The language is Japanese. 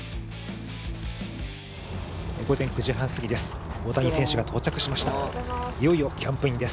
午前９時半過ぎです。